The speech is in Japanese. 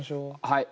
はい。